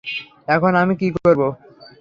এখন আমি কী করব?